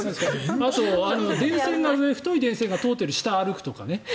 あと太い電線が通ってる下を歩くとかね。